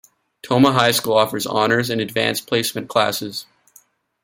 Tomah High School offers honors and advanced placement classes.